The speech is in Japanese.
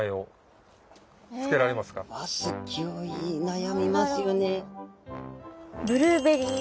ギョい悩みますよね。